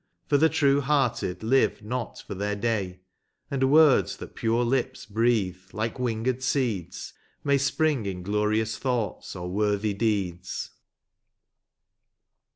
For the true hearted live not for their day, And words that pure lips breathe, like winged seeds, May spring in glorious thoughts, or worthy deeds.